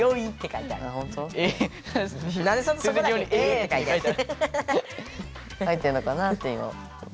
書いてんのかなって今。